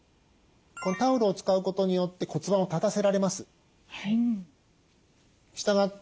このタオルを使うことによって骨盤を立たせられます。